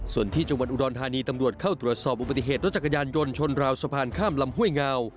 ส่วนที่จังหวัดอุดรธานีตำรวจเข้าตรวจสอบอุบัติเหตุรถจักรยานยนต์ชนราวสะพานข้ามลำห้วยเงา